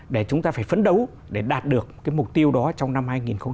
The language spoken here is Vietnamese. để chúng ta phải phấn đấu để đạt được mục tiêu đó trong năm hai nghìn một mươi chín